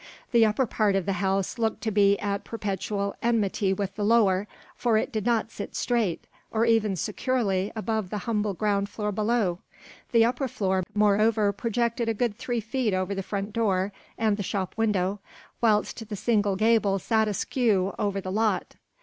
The upper part of the house looked to be at perpetual enmity with the lower, for it did not sit straight, or even securely above the humble ground floor below. The upper floor moreover projected a good three feet over the front door and the shop window, whilst the single gable sat askew over the lot.